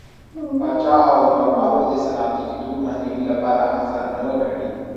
پاچا او ځمکوالو د صنعتي کېدو مخنیوي لپاره هڅه نه وه کړې.